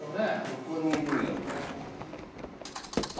どこにいるんやろうな？